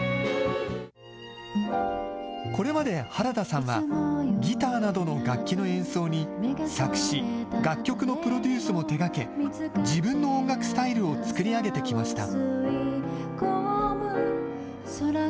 これまで原田さんは、ギターなどの楽器の演奏に作詞、楽曲のプロデュースも手がけ、自分の音楽スタイルを作り上げてきました。